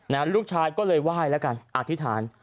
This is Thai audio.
ลูกชายก็เลยไหว้แล้วกันอธิษฐาน